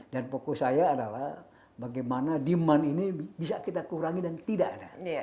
dan fokus saya adalah bagaimana demand ini bisa kita kurangi dan tidak ada